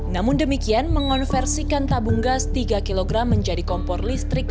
namun demikian mengonversikan tabung gas tiga kg menjadi kompor listrik